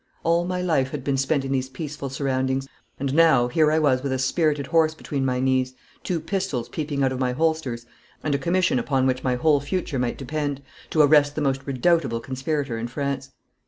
All my life had been spent in these peaceful surroundings, and now, here I was with a spirited horse between my knees, two pistols peeping out of my holsters, and a commission upon which my whole future might depend, to arrest the most redoubtable conspirator in France.